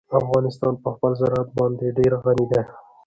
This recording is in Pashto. افغانستان په خپل زراعت باندې ډېر غني دی.